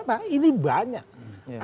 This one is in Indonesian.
nah ini banyak